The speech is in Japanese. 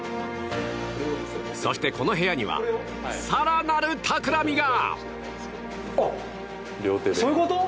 そして、この部屋には更なるたくらみが。